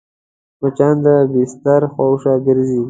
مچان د بستر شاوخوا ګرځي